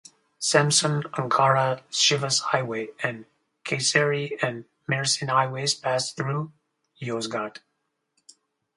Samsun-Ankara-Sivas highway and Kayseri and Mersin highways pass through Yozgat.